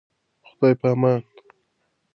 خداي پامان.